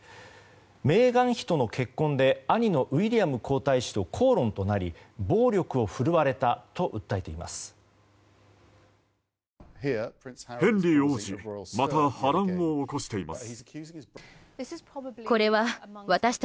メーガン妃との結婚で兄のウィリアム皇太子と口論となり、暴力を振るわれたと訴えています。